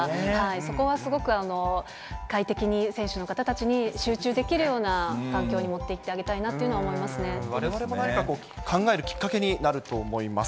そこはすごく快適に選手の方たちに集中できるような環境に持ってわれわれも何か考えるきっかけになると思います。